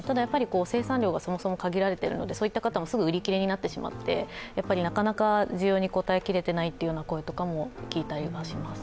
生産量がそもそも限られているので、そういった方もすぐ売り切れになってしまってなかなか需要に応えきれていないという声も聞こえてきます。